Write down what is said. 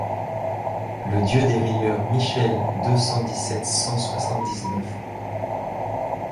Le dieu des rieurs, Michel deux cent dix-sept cent soixante-dix-neuf.